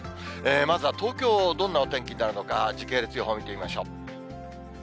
まずは東京、どんなお天気になるのか、時系列予報見てみましょう。